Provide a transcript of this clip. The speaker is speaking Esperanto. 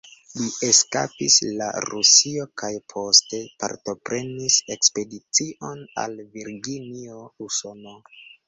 Li eskapis al Rusio kaj poste partoprenis ekspedicion al Virginio, Usono.